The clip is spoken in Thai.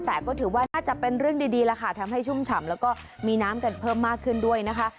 แต่ก็ถือว่าน่าจะเป็นเรื่องดีแล้วค่ะทำให้ชุ่มฉ่ำแล้วก็มีน้ำกันเพิ่มมากขึ้นด้วยนะคะ